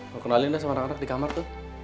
mau kenalin lah sama anak anak di kamar tuh